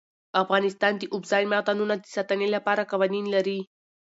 افغانستان د اوبزین معدنونه د ساتنې لپاره قوانین لري.